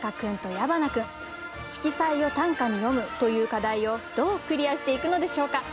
「色彩を短歌に詠む」という課題をどうクリアしていくのでしょうか？